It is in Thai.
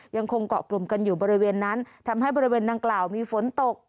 ยังคงเกาะกลุ่มกันอยู่บริเวณนั้นทำให้บริเวณดังกล่าวมีฝนตก